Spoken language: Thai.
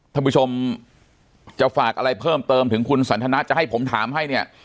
ท่านผู้ชมจะฝากอะไรเพิ่มเติมถึงคุณสันทนาจะให้ผมถามให้เนี่ย